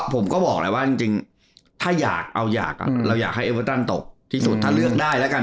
ผมก็บอกแล้วว่าจริงถ้าอยากเอาอยากเราอยากให้เอเวอร์ตันตกที่สุดถ้าเลือกได้แล้วกัน